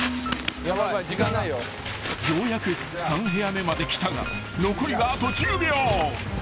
［ようやく３部屋目まで来たが残りはあと１０秒］